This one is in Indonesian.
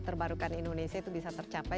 terbarukan indonesia itu bisa tercapai